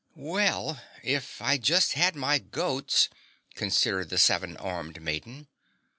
"Well, if I just had my goats " considered the seven armed maiden.